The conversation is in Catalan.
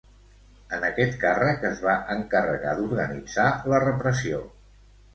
En aquest càrrec es va encarregar d'organitzar la repressió.